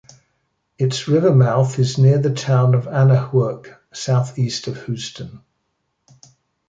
Its river mouth is near the town of Anahuac, southeast of Houston.